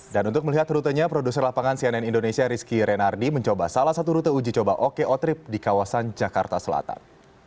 dan untuk melihat rutenya produser lapangan cnn indonesia rizky renardi mencoba salah satu rute uji coba oko trip di kawasan jakarta selatan